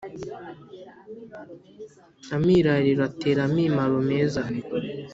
Amirariro atera amimaro meza